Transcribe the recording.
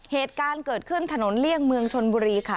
เหตุการณ์เกิดขึ้นถนนเลี่ยงเมืองชนบุรีค่ะ